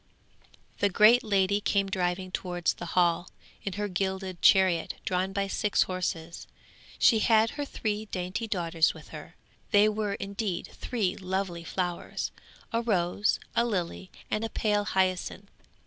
'The great lady came driving towards the Hall, in her gilded chariot drawn by six horses. She had her three dainty daughters with her; they were indeed three lovely flowers. A rose, a lily and a pale hyacinth.